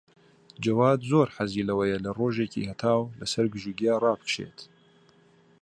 جەواد زۆر حەزی لەوەیە لە ڕۆژێکی هەتاو لەسەر گژوگیا ڕابکشێت.